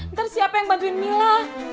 ntar siapa yang bantuin mila